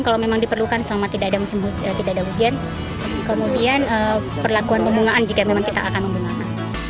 kalau memang diperlukan selama tidak ada hujan kemudian perlakuan pembungaan jika memang kita akan membungan